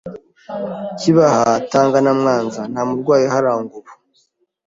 Kibaha, Tanga na Mwanza nta murwayi uharangwa ubu.